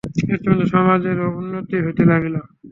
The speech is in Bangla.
ইতোমধ্যে সমাজেরও উন্নতি হইতে লাগিল।